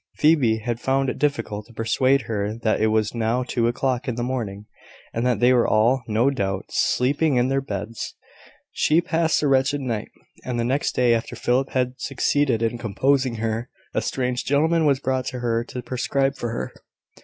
Phoebe had found it difficult to persuade her that it was now two o'clock in the morning, and that they were all, no doubt, sleeping in their beds. She passed a wretched night; and the next day, after Philip had succeeded in composing her, a strange gentleman was brought to her to prescribe for her.